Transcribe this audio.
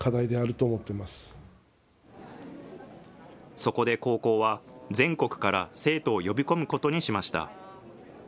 そこで高校は、全国から生徒を呼び込むことにしました。